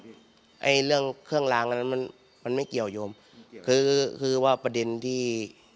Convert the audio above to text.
ไอ้เรื่องเครื่องลางอันนั้นมันมันไม่เกี่ยวยมคือคือว่าประเด็นที่